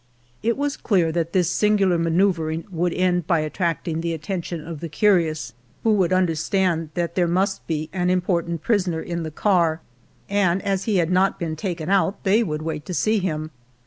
It was clear that this singular manoeuvring w^ould end by attracting the attention of the curious, who would understand that there must be an impor tant prisoner in the car, and as he had not been taken out thev would wait to see him.